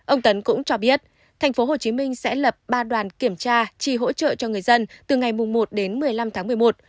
ông tấn cũng cho biết tp hcm sẽ lập ba đoàn kiểm tra chi hỗ trợ cho người dân từ ngày một đến một mươi năm tháng một mươi một